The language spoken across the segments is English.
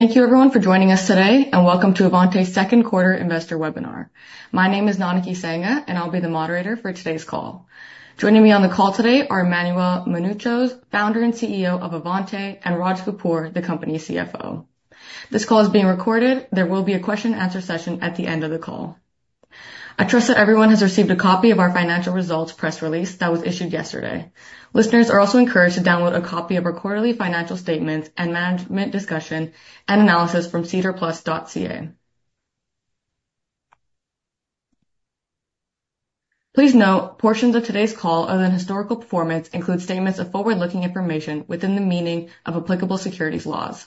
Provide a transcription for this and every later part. Thank you, everyone, for joining us today, and welcome to Avante's second quarter investor webinar. My name is Nanaki Singh, and I'll be the moderator for today's call. Joining me on the call today are Emmanuel Mounouchos, Founder and CEO of Avante, and Raj Kapoor, the company's CFO. This call is being recorded. There will be a question-and-answer session at the end of the call. I trust that everyone has received a copy of our financial results press release that was issued yesterday. Listeners are also encouraged to download a copy of our quarterly financial statements and management discussion and analysis from sedarplus.ca. Please note, portions of today's call, other than historical performance, include statements of forward-looking information within the meaning of applicable securities laws.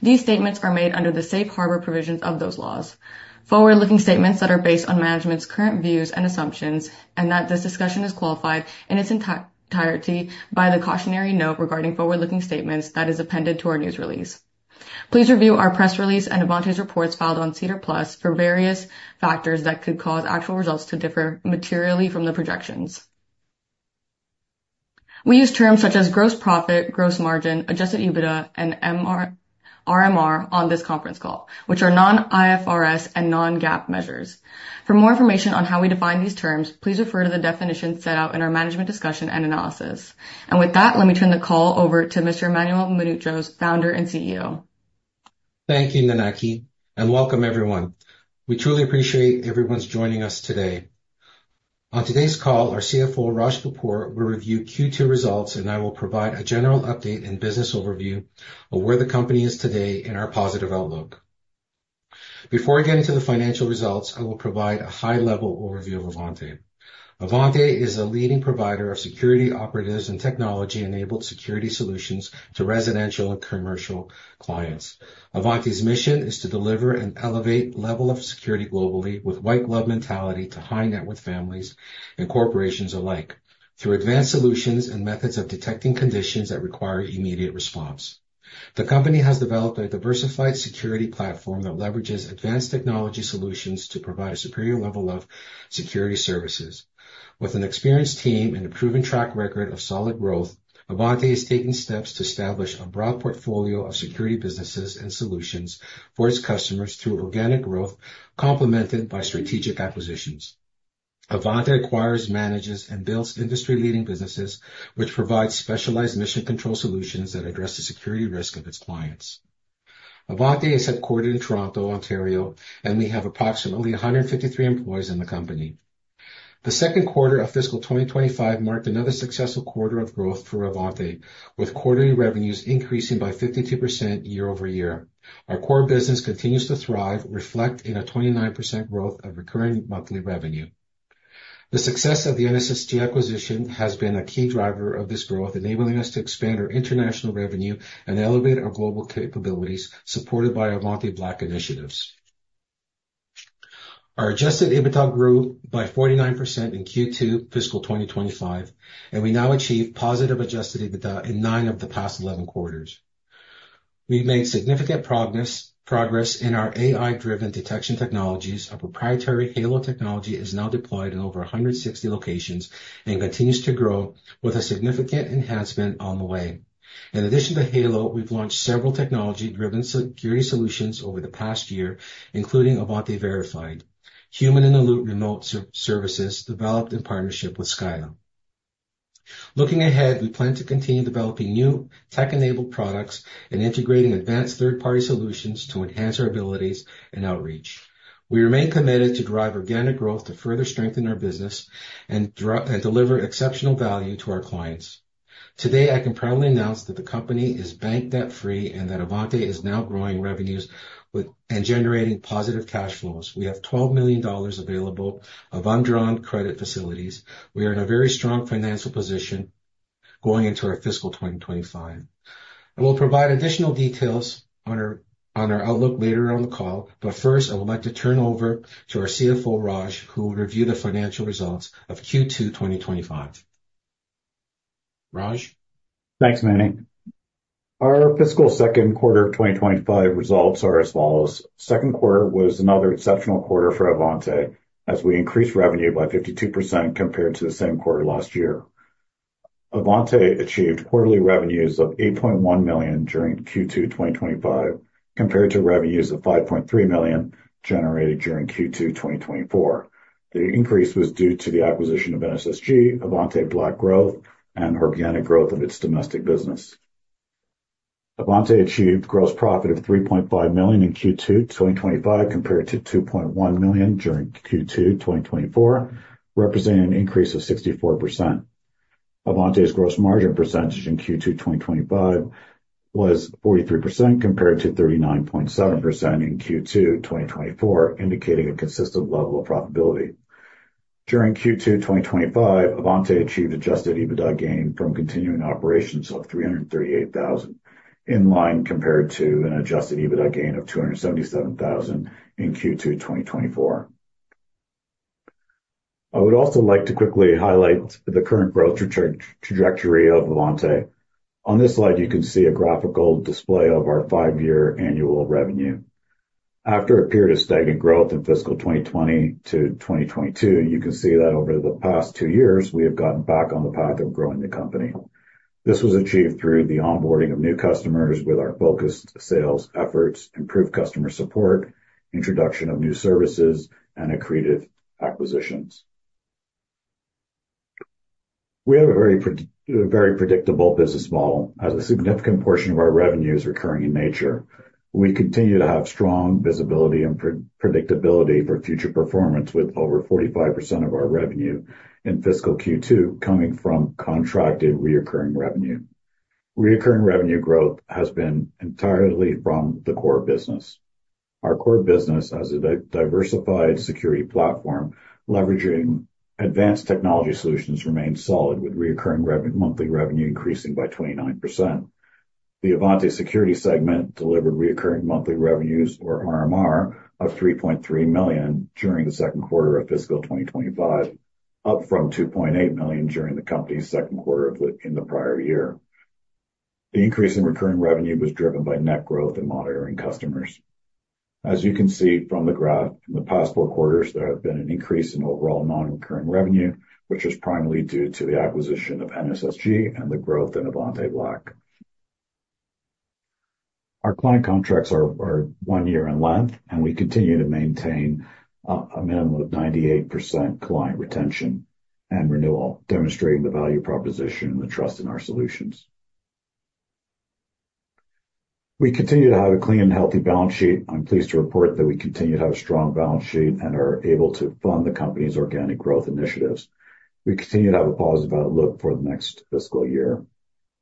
These statements are made under the safe harbor provisions of those laws, forward-looking statements that are based on management's current views and assumptions, and that this discussion is qualified in its entirety by the cautionary note regarding forward-looking statements that is appended to our news release. Please review our press release and Avante's reports filed on SEDAR+ for various factors that could cause actual results to differ materially from the projections. We use terms such as gross profit, gross margin, Adjusted EBITDA, and RMR on this conference call, which are non-IFRS and non-GAAP measures. For more information on how we define these terms, please refer to the definitions set out in our Management's Discussion and Analysis. With that, let me turn the call over to Mr. Emmanuel Mounouchos, Founder and CEO. Thank you, Nanaki, and welcome, everyone. We truly appreciate everyone's joining us today. On today's call, our CFO, Raj Kapoor, will review Q2 results, and I will provide a general update and business overview of where the company is today and our positive outlook. Before getting to the financial results, I will provide a high-level overview of Avante. Avante is a leading provider of security operatives and technology-enabled security solutions to residential and commercial clients. Avante's mission is to deliver and elevate the level of security globally with white-glove mentality to high-net-worth families and corporations alike through advanced solutions and methods of detecting conditions that require immediate response. The company has developed a diversified security platform that leverages advanced technology solutions to provide a superior level of security services. With an experienced team and a proven track record of solid growth, Avante is taking steps to establish a broad portfolio of security businesses and solutions for its customers through organic growth complemented by strategic acquisitions. Avante acquires, manages, and builds industry-leading businesses, which provide specialized mission-control solutions that address the security risk of its clients. Avante is headquartered in Toronto, Ontario, and we have approximately 153 employees in the company. The second quarter of fiscal 2025 marked another successful quarter of growth for Avante, with quarterly revenues increasing by 52% year-over-year. Our core business continues to thrive, reflecting a 29% growth of recurring monthly revenue. The success of the NSSG acquisition has been a key driver of this growth, enabling us to expand our international revenue and elevate our global capabilities, supported by Avante Black initiatives. Our Adjusted EBITDA grew by 49% in Q2 fiscal 2025, and we now achieve positive Adjusted EBITDA in nine of the past 11 quarters. We've made significant progress in our AI-driven detection technologies. Our proprietary Halo technology is now deployed in over 160 locations and continues to grow, with a significant enhancement on the way. In addition to Halo, we've launched several technology-driven security solutions over the past year, including Avante Verified, Human-in-the-Loop remote services developed in partnership with Scylla. Looking ahead, we plan to continue developing new tech-enabled products and integrating advanced third-party solutions to enhance our abilities and outreach. We remain committed to drive organic growth to further strengthen our business and deliver exceptional value to our clients. Today, I can proudly announce that the company is bank debt-free and that Avante is now growing revenues and generating positive cash flows. We have 12 million dollars available of undrawn credit facilities. We are in a very strong financial position going into our fiscal 2025. I will provide additional details on our outlook later on the call, but first, I would like to turn over to our CFO, Raj, who will review the financial results of Q2 2025. Raj? Thanks, Nanak. Our fiscal second quarter 2025 results are as follows. Second quarter was another exceptional quarter for Avante, as we increased revenue by 52% compared to the same quarter last year. Avante achieved quarterly revenues of 8.1 million during Q2 2025, compared to revenues of 5.3 million generated during Q2 2024. The increase was due to the acquisition of NSSG, Avante Black growth, and organic growth of its domestic business. Avante achieved gross profit of 3.5 million in Q2 2025, compared to 2.1 million during Q2 2024, representing an increase of 64%. Avante's gross margin percentage in Q2 2025 was 43%, compared to 39.7% in Q2 2024, indicating a consistent level of profitability. During Q2 2025, Avante achieved Adjusted EBITDA gain from continuing operations of 338,000, in line compared to an Adjusted EBITDA gain of 277,000 in Q2 2024. I would also like to quickly highlight the current growth trajectory of Avante. On this slide, you can see a graphical display of our five-year annual revenue. After a period of stagnant growth in fiscal 2020 to 2022, you can see that over the past two years, we have gotten back on the path of growing the company. This was achieved through the onboarding of new customers with our focused sales efforts, improved customer support, introduction of new services, and accretive acquisitions. We have a very predictable business model as a significant portion of our revenue is recurring in nature. We continue to have strong visibility and predictability for future performance, with over 45% of our revenue in fiscal Q2 coming from contracted recurring revenue. Recurring revenue growth has been entirely from the core business. Our core business, as a diversified security platform leveraging advanced technology solutions, remains solid, with recurring monthly revenue increasing by 29%. The Avante Security segment delivered recurring monthly revenues, or RMR, of 3.3 million during the second quarter of fiscal 2025, up from 2.8 million during the company's second quarter in the prior year. The increase in recurring revenue was driven by net growth and monitoring customers. As you can see from the graph, in the past four quarters, there has been an increase in overall non-recurring revenue, which was primarily due to the acquisition of NSSG and the growth in Avante Black. Our client contracts are one year in length, and we continue to maintain a minimum of 98% client retention and renewal, demonstrating the value proposition and the trust in our solutions. We continue to have a clean and healthy balance sheet. I'm pleased to report that we continue to have a strong balance sheet and are able to fund the company's organic growth initiatives. We continue to have a positive outlook for the next fiscal year.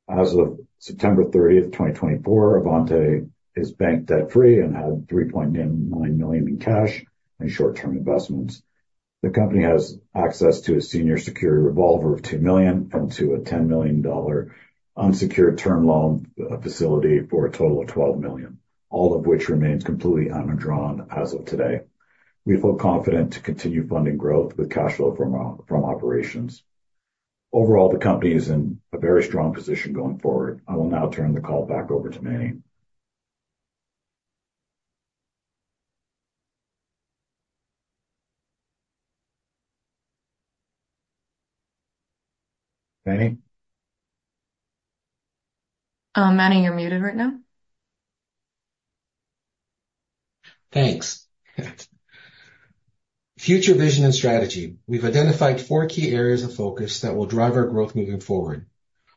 As of September 30th, 2024, Avante is bank debt-free and has 3.9 million in cash and short-term investments. The company has access to a senior secured revolver of 2 million and to a 10 million dollar unsecured term loan facility for a total of 12 million, all of which remains completely undrawn as of today. We feel confident to continue funding growth with cash flow from operations. Overall, the company is in a very strong position going forward. I will now turn the call back over to Manny. Manny? Manny, you're muted right now. Thanks. Future vision and strategy. We've identified four key areas of focus that will drive our growth moving forward.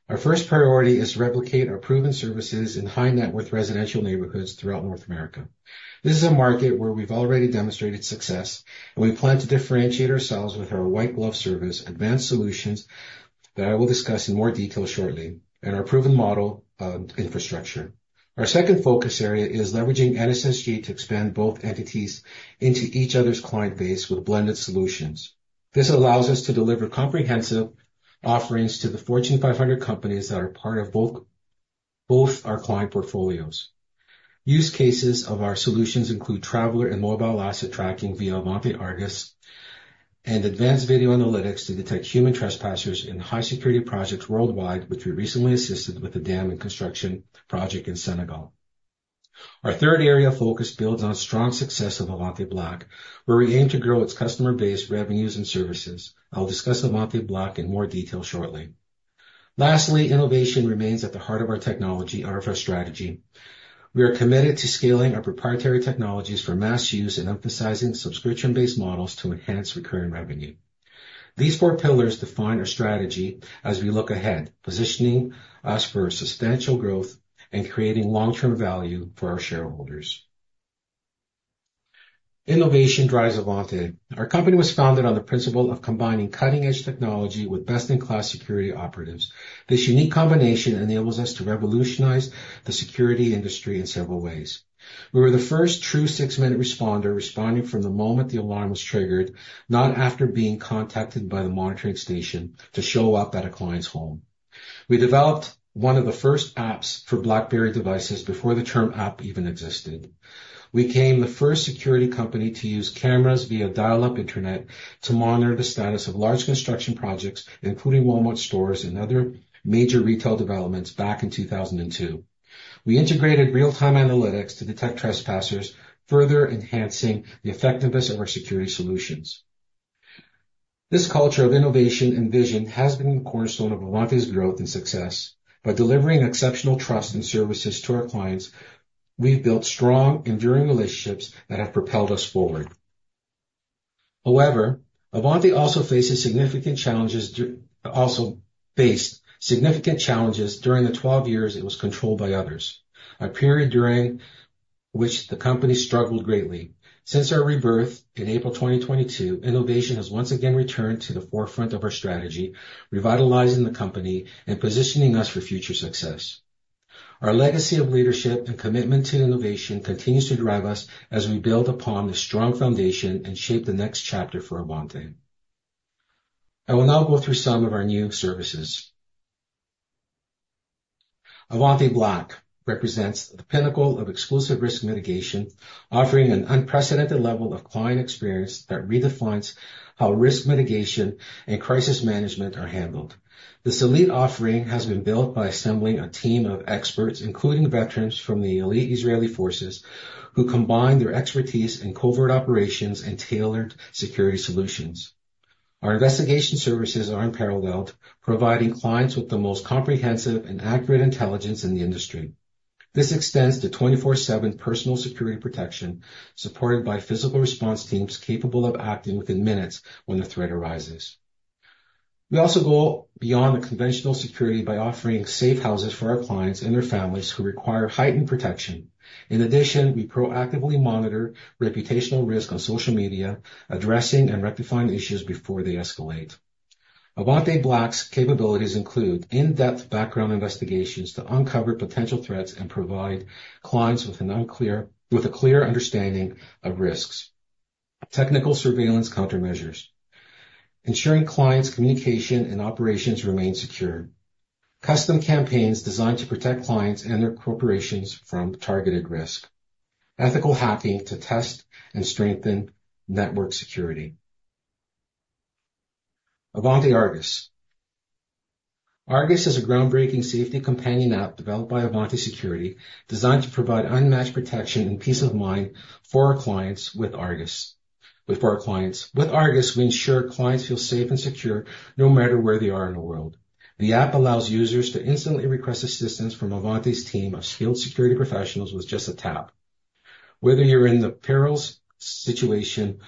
Our first priority is to replicate our proven services in high-net-worth residential neighborhoods throughout North America. This is a market where we've already demonstrated success, and we plan to differentiate ourselves with our white-glove service, advanced solutions that I will discuss in more detail shortly, and our proven model of infrastructure. Our second focus area is leveraging NSSG to expand both entities into each other's client base with blended solutions. This allows us to deliver comprehensive offerings to the Fortune 500 companies that are part of both our client portfolios. Use cases of our solutions include traveler and mobile asset tracking via Avante Argus and advanced video analytics to detect human trespassers in high-security projects worldwide, which we recently assisted with a dam and construction project in Senegal. Our third area of focus builds on strong success of Avante Black, where we aim to grow its customer base revenues and services. I'll discuss Avante Black in more detail shortly. Lastly, innovation remains at the heart of our technology and our strategy. We are committed to scaling our proprietary technologies for mass use and emphasizing subscription-based models to enhance recurring revenue. These four pillars define our strategy as we look ahead, positioning us for substantial growth and creating long-term value for our shareholders. Innovation drives Avante. Our company was founded on the principle of combining cutting-edge technology with best-in-class security operatives. This unique combination enables us to revolutionize the security industry in several ways. We were the first true six-minute responder responding from the moment the alarm was triggered, not after being contacted by the monitoring station to show up at a client's home. We developed one of the first apps for BlackBerry devices before the term app even existed. We became the first security company to use cameras via dial-up internet to monitor the status of large construction projects, including Walmart stores and other major retail developments, back in 2002. We integrated real-time analytics to detect trespassers, further enhancing the effectiveness of our security solutions. This culture of innovation and vision has been the cornerstone of Avante's growth and success. By delivering exceptional trust and services to our clients, we've built strong, enduring relationships that have propelled us forward. However, Avante also faced significant challenges during the 12 years it was controlled by others, a period during which the company struggled greatly. Since our rebirth in April 2022, innovation has once again returned to the forefront of our strategy, revitalizing the company and positioning us for future success. Our legacy of leadership and commitment to innovation continues to drive us as we build upon the strong foundation and shape the next chapter for Avante. I will now go through some of our new services. Avante Black represents the pinnacle of exclusive risk mitigation, offering an unprecedented level of client experience that redefines how risk mitigation and crisis management are handled. This elite offering has been built by assembling a team of experts, including veterans from the elite Israeli forces, who combine their expertise in covert operations and tailored security solutions. Our investigation services are unparalleled, providing clients with the most comprehensive and accurate intelligence in the industry. This extends to 24/7 personal security protection, supported by physical response teams capable of acting within minutes when a threat arises. We also go beyond the conventional security by offering safe houses for our clients and their families who require heightened protection. In addition, we proactively monitor reputational risk on social media, addressing and rectifying issues before they escalate. Avante Black's capabilities include in-depth background investigations to uncover potential threats and provide clients with a clear understanding of risks. Technical surveillance countermeasures, ensuring clients' communication and operations remain secure. Custom campaigns designed to protect clients and their corporations from targeted risk. Ethical hacking to test and strengthen network security. Avante Argus. Argus is a groundbreaking safety companion app developed by Avante Security, designed to provide unmatched protection and peace of mind for our clients with Argus. With Argus, we ensure clients feel safe and secure no matter where they are in the world. The app allows users to instantly request assistance from Avante's team of skilled security professionals with just a tap. Whether you're in the perilous situation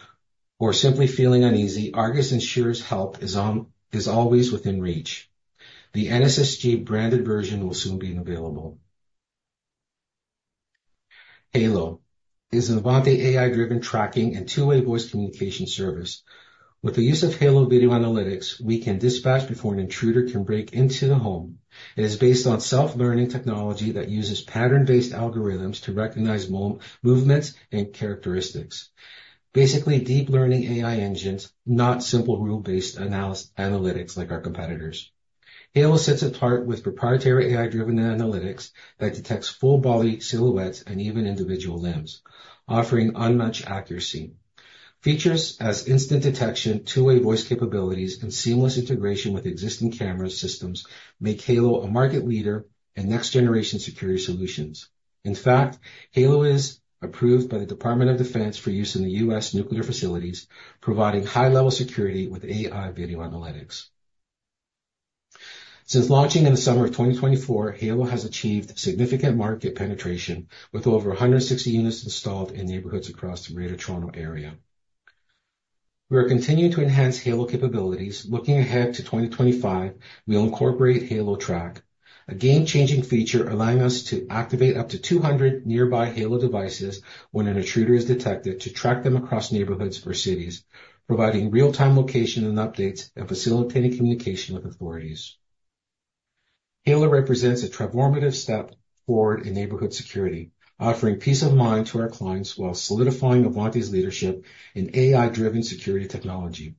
or simply feeling uneasy, Argus ensures help is always within reach. The NSSG branded version will soon be available. Halo is an Avante AI-driven tracking and two-way voice communication service. With the use of Halo video analytics, we can dispatch before an intruder can break into the home. It is based on self-learning technology that uses pattern-based algorithms to recognize movements and characteristics. Basically, deep learning AI engines, not simple rule-based analytics like our competitors. Halo sets apart with proprietary AI-driven analytics that detects full-body silhouettes and even individual limbs, offering unmatched accuracy. Features as instant detection, two-way voice capabilities, and seamless integration with existing camera systems make Halo a market leader in next-generation security solutions. In fact, Halo is approved by the Department of Defense for use in the U.S. nuclear facilities, providing high-level security with AI video analytics. Since launching in the summer of 2024, Halo has achieved significant market penetration with over 160 units installed in neighborhoods across the Greater Toronto Area. We are continuing to enhance Halo capabilities. Looking ahead to 2025, we'll incorporate Halo-Track, a game-changing feature allowing us to activate up to 200 nearby Halo devices when an intruder is detected to track them across neighborhoods or cities, providing real-time location and updates and facilitating communication with authorities. Halo represents a transformative step forward in neighborhood security, offering peace of mind to our clients while solidifying Avante's leadership in AI-driven security technology.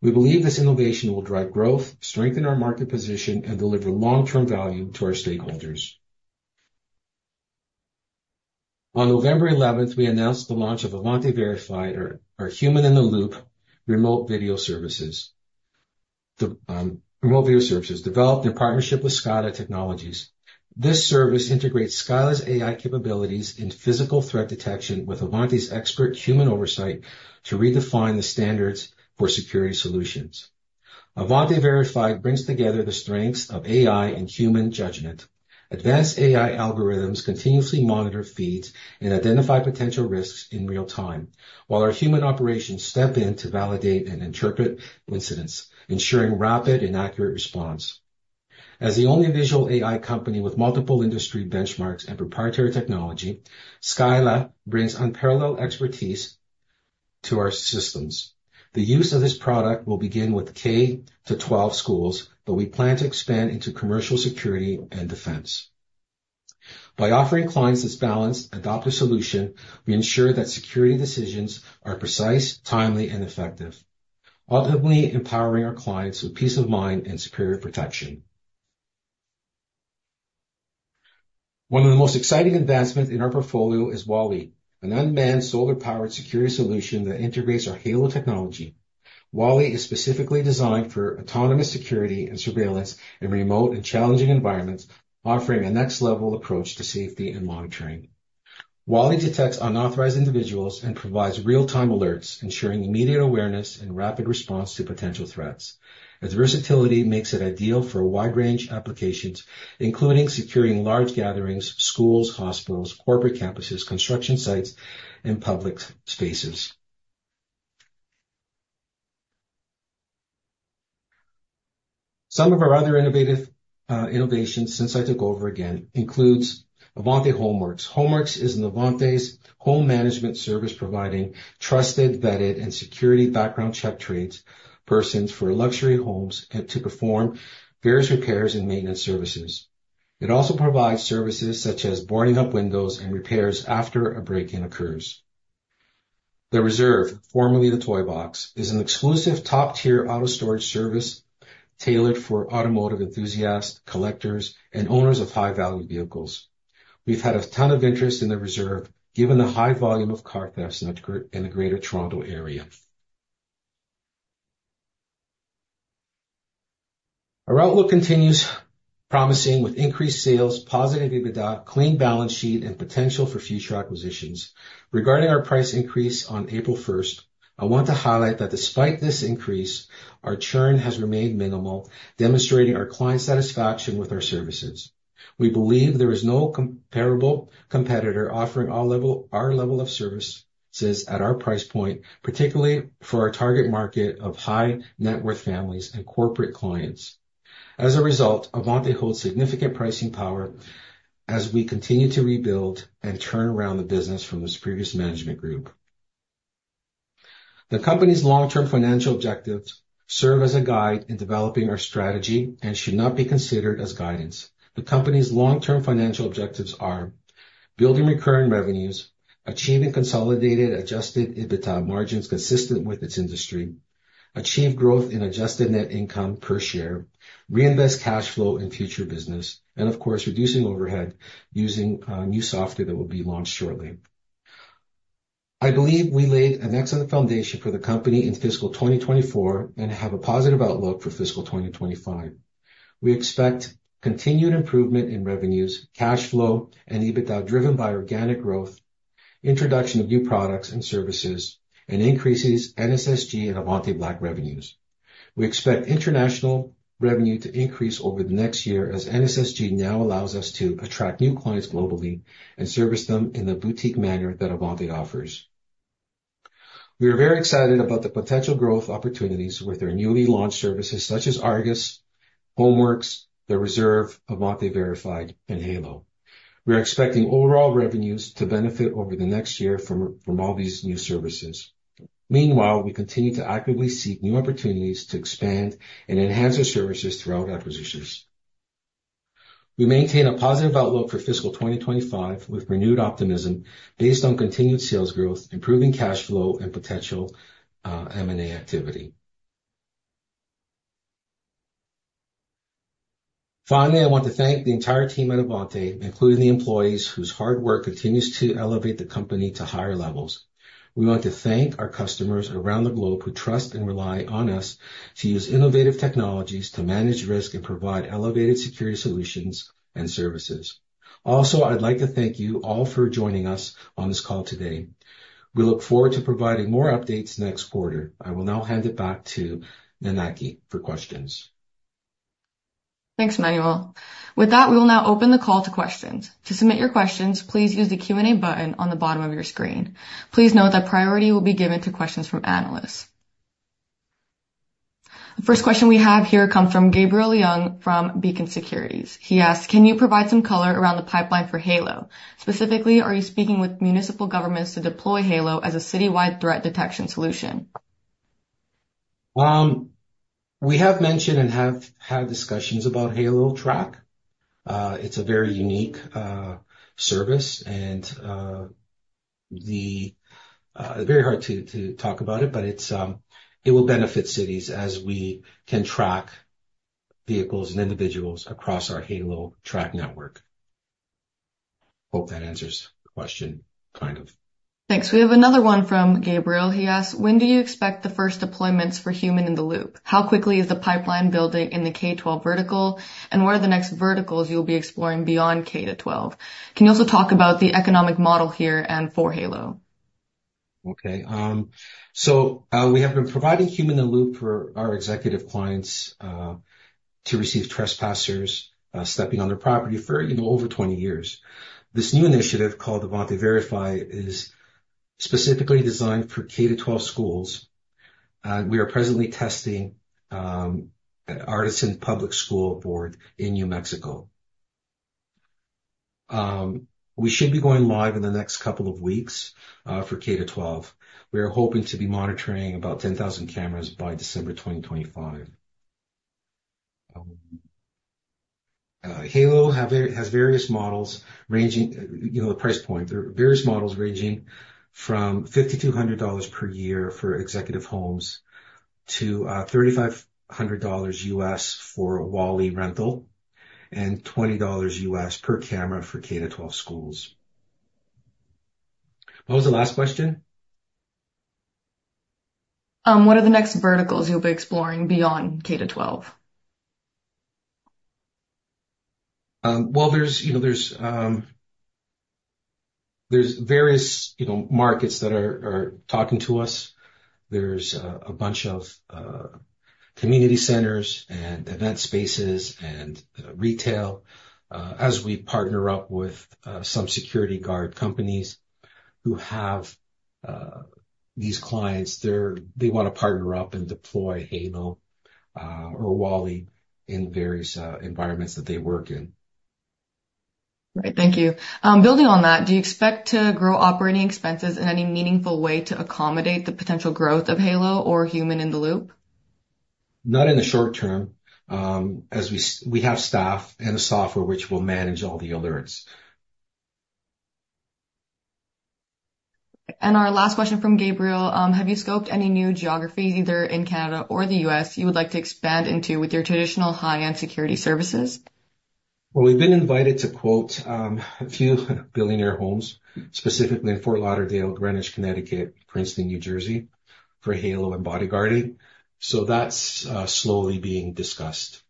We believe this innovation will drive growth, strengthen our market position, and deliver long-term value to our stakeholders. On November 11, we announced the launch of Avante Verified, our Human-in-the-Loop remote video services. The remote video services developed in partnership with Scylla Technologies. This service integrates Scylla's AI capabilities in physical threat detection with Avante's expert human oversight to redefine the standards for security solutions. Avante Verified brings together the strengths of AI and human judgment. Advanced AI algorithms continuously monitor feeds and identify potential risks in real time, while our human operations step in to validate and interpret incidents, ensuring rapid and accurate response. As the only visual AI company with multiple industry benchmarks and proprietary technology, Scylla brings unparalleled expertise to our systems. The use of this product will begin with K-12 schools, but we plan to expand into commercial security and defense. By offering clients this balanced, adaptive solution, we ensure that security decisions are precise, timely, and effective, ultimately empowering our clients with peace of mind and superior protection. One of the most exciting advancements in our portfolio is WALL-E, an unmanned solar-powered security solution that integrates our Halo technology. WALL-E is specifically designed for autonomous security and surveillance in remote and challenging environments, offering a next-level approach to safety and monitoring. WALL-E detects unauthorized individuals and provides real-time alerts, ensuring immediate awareness and rapid response to potential threats. Its versatility makes it ideal for a wide range of applications, including securing large gatherings, schools, hospitals, corporate campuses, construction sites, and public spaces. Some of our other innovations since I took over again include Avante Homeworxx. Avante Homeworxx is a home management service providing trusted, vetted, and security background check trained persons for luxury homes to perform various repairs and maintenance services. It also provides services such as boarding up windows and repairs after a break-in occurs. The Reserve, formerly The Toyboxx, is an exclusive top-tier auto storage service tailored for automotive enthusiasts, collectors, and owners of high-value vehicles. We've had a ton of interest in The Reserve given the high volume of car thefts in the Greater Toronto Area. Our outlook continues promising with increased sales, positive EBITDA, clean balance sheet, and potential for future acquisitions. Regarding our price increase on April 1st, I want to highlight that despite this increase, our churn has remained minimal, demonstrating our client satisfaction with our services. We believe there is no comparable competitor offering our level of services at our price point, particularly for our target market of high-net-worth families and corporate clients. As a result, Avante holds significant pricing power as we continue to rebuild and turn around the business from its previous management group. The company's long-term financial objectives serve as a guide in developing our strategy and should not be considered as guidance. The company's long-term financial objectives are building recurring revenues, achieving consolidated Adjusted EBITDA margins consistent with its industry, achieving growth in adjusted net income per share, reinvesting cash flow in future business, and, of course, reducing overhead using new software that will be launched shortly. I believe we laid an excellent foundation for the company in fiscal 2024 and have a positive outlook for fiscal 2025. We expect continued improvement in revenues, cash flow, and EBITDA driven by organic growth, introduction of new products and services, and increases in NSSG and Avante Black revenues. We expect international revenue to increase over the next year as NSSG now allows us to attract new clients globally and service them in the boutique manner that Avante offers. We are very excited about the potential growth opportunities with our newly launched services such as Argus, Homeworxx, the Reserve, Avante Verified, and Halo. We are expecting overall revenues to benefit over the next year from all these new services. Meanwhile, we continue to actively seek new opportunities to expand and enhance our services throughout acquisitions. We maintain a positive outlook for fiscal 2025 with renewed optimism based on continued sales growth, improving cash flow, and potential M&A activity. Finally, I want to thank the entire team at Avante, including the employees whose hard work continues to elevate the company to higher levels. We want to thank our customers around the globe who trust and rely on us to use innovative technologies to manage risk and provide elevated security solutions and services. Also, I'd like to thank you all for joining us on this call today. We look forward to providing more updates next quarter. I will now hand it back to Nanaki for questions. Thanks, Manny. With that, we will now open the call to questions. To submit your questions, please use the Q&A button on the bottom of your screen. Please note that priority will be given to questions from analysts. The first question we have here comes from Gabriel Leung from Beacon Securities. He asks, "Can you provide some color around the pipeline for Halo? Specifically, are you speaking with municipal governments to deploy Halo as a citywide threat detection solution?" We have mentioned and have had discussions about Halo-Track. It's a very unique service, and it's very hard to talk about it, but it will benefit cities as we can track vehicles and individuals across our Halo-Track network. Hope that answers the question kind of. Thanks. We have another one from Gabriel. He asks, "When do you expect the first deployments for Human-in-the-Loop? How quickly is the pipeline building in the K-12 vertical, and what are the next verticals you'll be exploring beyond K-12? Can you also talk about the economic model here and for Halo?" Okay. So we have been providing Human-in-the-Loop for our executive clients to receive trespassers stepping on their property for over 20 years. This new initiative called Avante Verified is specifically designed for K-12 schools, and we are presently testing Artesia Public Schools in New Mexico. We should be going live in the next couple of weeks for K-12. We are hoping to be monitoring about 10,000 cameras by December 2025. Halo has various models ranging the price point. There are various models ranging from 5,200 dollars per year for executive homes to $3,500 for a WALL-E rental and $20 per camera for K-12 schools. What was the last question? What are the next verticals you'll be exploring beyond K-12? Well, there's various markets that are talking to us. There's a bunch of community centers and event spaces and retail. As we partner up with some security guard companies who have these clients, they want to partner up and deploy Halo or WALL-E in various environments that they work in. Right. Thank you. Building on that, do you expect to grow operating expenses in any meaningful way to accommodate the potential growth of Halo or Human-in-the-Loop? Not in the short term. We have staff and software which will manage all the alerts, and our last question from Gabriel. Have you scoped any new geographies, either in Canada or the U.S., you would like to expand into with your traditional high-end security services? Well, we've been invited to quote a few billionaire homes, specifically in Fort Lauderdale, Greenwich, Connecticut, Princeton, New Jersey, for Halo and bodyguarding, so that's slowly being discussed.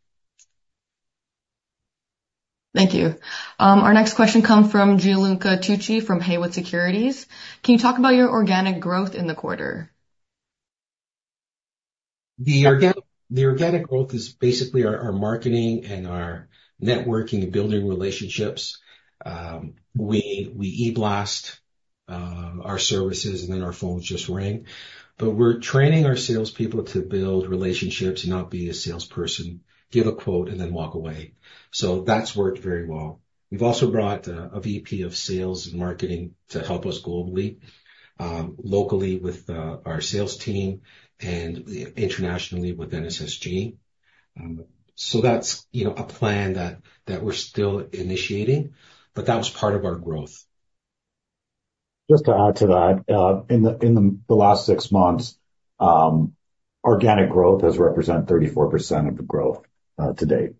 Thank you. Our next question comes from Gianluca Tucci from Haywood Securities. Can you talk about your organic growth in the quarter? The organic growth is basically our marketing and our networking and building relationships. We e-blast our services, and then our phones just ring. But we're training our salespeople to build relationships and not be a salesperson, give a quote, and then walk away. So that's worked very well. We've also brought a VP of sales and marketing to help us globally, locally with our sales team, and internationally with NSSG. So that's a plan that we're still initiating, but that was part of our growth. Just to add to that, in the last six months, organic growth has represented 34% of the growth to date.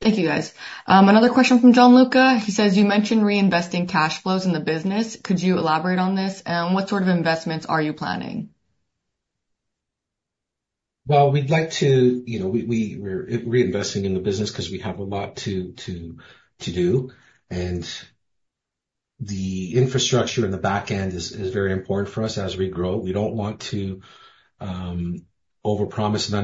Thank you, guys. Another question from Gianluca. He says, "You mentioned reinvesting cash flows in the business. Could you elaborate on this? And what sort of investments are you planning?" Well, we're reinvesting in the business because we have a lot to do. And the infrastructure and the backend is very important for us as we grow. We don't want to overpromise and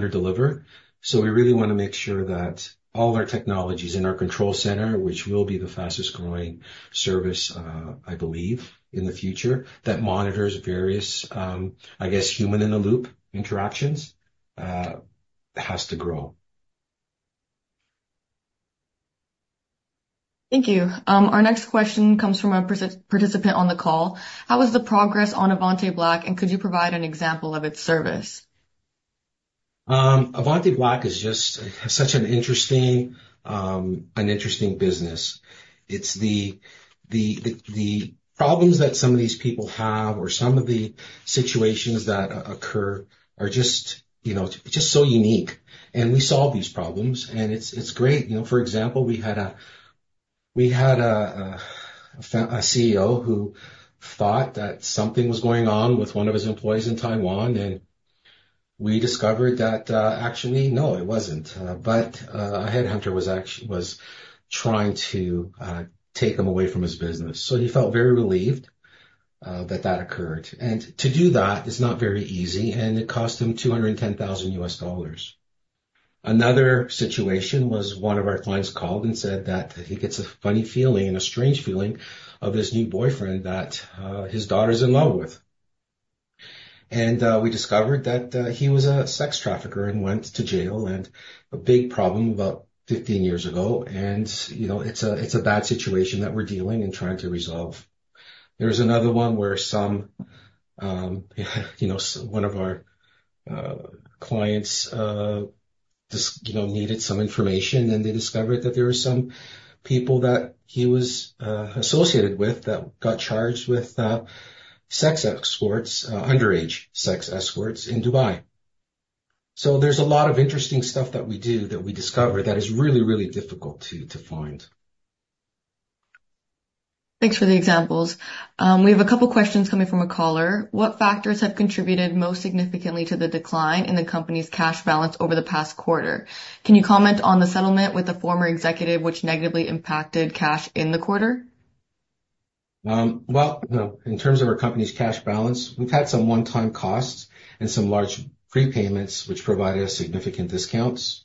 underdeliver. So we really want to make sure that all our technologies in our control center, which will be the fastest-growing service, I believe, in the future, that monitors various, I guess, Human-in-the-loop interactions, has to grow. Thank you. Our next question comes from a participant on the call. How is the progress on Avante Black, and could you provide an example of its service? Avante Black is just such an interesting business. It's the problems that some of these people have or some of the situations that occur are just so unique. And we solve these problems, and it's great. For example, we had a CEO who thought that something was going on with one of his employees in Taiwan, and we discovered that actually, no, it wasn't. But a headhunter was trying to take him away from his business. So he felt very relieved that that occurred. And to do that is not very easy, and it cost him $210,000. Another situation was one of our clients called and said that he gets a funny feeling and a strange feeling of his new boyfriend that his daughter is in love with. And we discovered that he was a sex trafficker and went to jail and a big problem about 15 years ago. And it's a bad situation that we're dealing and trying to resolve. There was another one where one of our clients needed some information, and they discovered that there were some people that he was associated with that got charged with sex escorts, underage sex escorts in Dubai. So there's a lot of interesting stuff that we do that we discover that is really, really difficult to find. Thanks for the examples. We have a couple of questions coming from a caller. What factors have contributed most significantly to the decline in the company's cash balance over the past quarter? Can you comment on the settlement with a former executive which negatively impacted cash in the quarter? In terms of our company's cash balance, we've had some one-time costs and some large prepayments which provided significant discounts.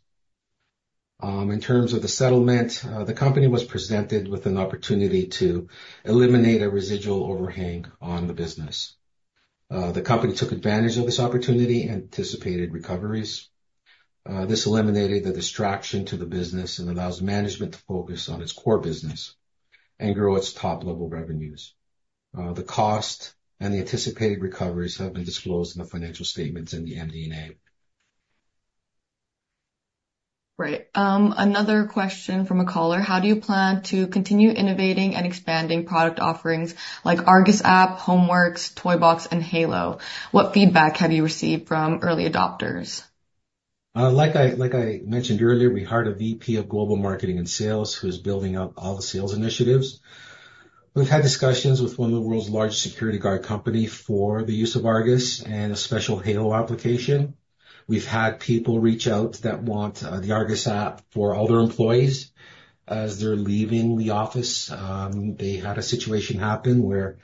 In terms of the settlement, the company was presented with an opportunity to eliminate a residual overhang on the business. The company took advantage of this opportunity and anticipated recoveries. This eliminated the distraction to the business and allows management to focus on its core business and grow its top-level revenues. The cost and the anticipated recoveries have been disclosed in the financial statements and the MD&A. Right. Another question from a caller. How do you plan to continue innovating and expanding product offerings like Argus app, Homeworxx, Toyboxx, and Halo? What feedback have you received from early adopters? Like I mentioned earlier, we hired a VP of global marketing and sales who is building up all the sales initiatives. We've had discussions with one of the world's largest security guard companies for the use of Argus and a special Halo application. We've had people reach out that want the Argus app for all their employees as they're leaving the office. They had a situation happen where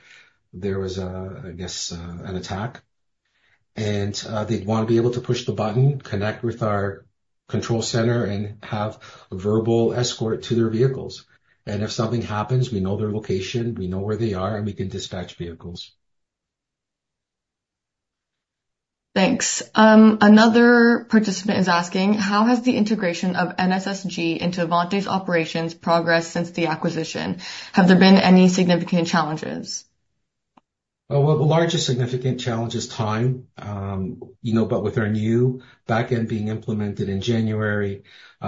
there was, I guess, an attack. And they'd want to be able to push the button, connect with our control center, and have a verbal escort to their vehicles. And if something happens, we know their location, we know where they are, and we can dispatch vehicles. Thanks. Another participant is asking, "How has the integration of NSSG into Avante's operations progressed since the acquisition? Have there been any significant challenges?" The largest significant challenge is time. With our new backend being implemented in January,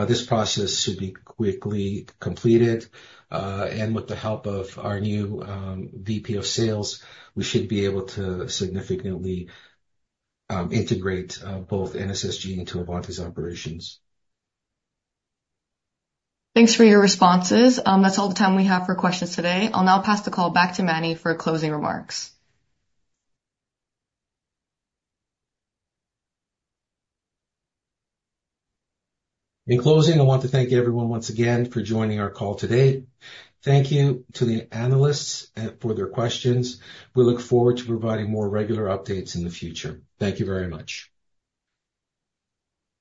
this process should be quickly completed. With the help of our new VP of sales, we should be able to significantly integrate both NSSG into Avante's operations. Thanks for your responses. That's all the time we have for questions today. I'll now pass the call back to Manny for closing remarks. In closing, I want to thank everyone once again for joining our call today. Thank you to the analysts for their questions. We look forward to providing more regular updates in the future. Thank you very much.